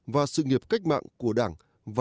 và sự nghiệp cách mạng